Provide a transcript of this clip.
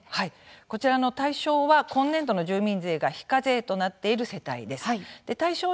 こちらの対象は今年度の住民税が非課税となっている世帯です。